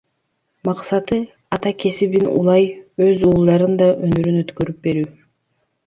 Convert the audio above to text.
Максаты — ата кесибин улай өз уулдарына да өнөрүн өткөрүп берүү.